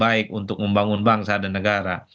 baik untuk membangun bangsa dan negara